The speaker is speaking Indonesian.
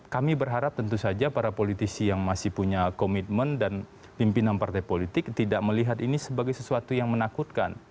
kami berharap tentu saja para politisi yang masih punya komitmen dan pimpinan partai politik tidak melihat ini sebagai sesuatu yang menakutkan